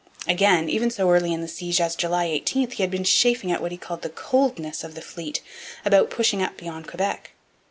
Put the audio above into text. Again, even so early in the siege as July 18 he had been chafing at what he called the 'coldness' of the fleet about pushing up beyond Quebec.